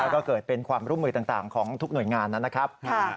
ก็เกิดเป็นความร่วมมือต่างของทุกหน่วยงานนะครับ